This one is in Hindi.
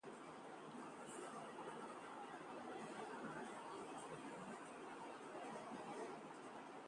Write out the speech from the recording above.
गुजरात सरकार का किसानों को चुनावी तोहफा, मूंगफली के मिलेंगे ज्यादा दाम